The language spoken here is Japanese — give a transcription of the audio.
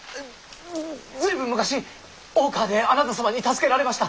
随分昔大川であなた様に助けられました。